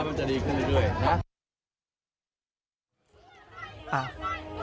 แล้วมันจะดีขึ้นด้วยนะ